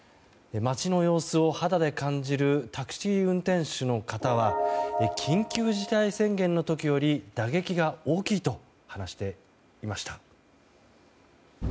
街の様子を肌で感じるタクシー運転手の方は緊急事態宣言の時より打撃が大きいと話していました。